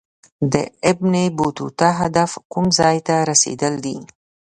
د ابن بطوطه هدف کوم ځای ته رسېدل دي.